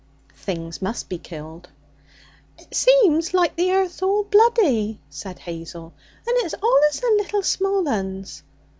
'Things must be killed.' 'It seems like the earth's all bloody,' said Hazel. 'And it's allus the little small uns.